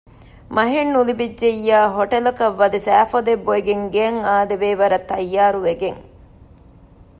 މަހެއް ނުލިބިއްޖެޔާ ހޮޓަލަކަށް ވަދެ ސައިފޮދެއް ބޮއެގެން ގެއަށް އާދެވޭ ވަރަށް ތައްޔާރުވެގެންނެ